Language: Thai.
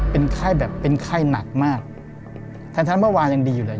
เป็นไข้แบบเป็นไข้หนักมากแทนเมื่อวานยังดีอยู่แหละ